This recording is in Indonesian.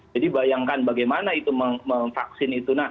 jadi bayangkan bagaimana itu